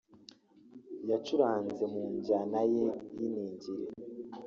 yacuranze mu njyana ye y’iningiri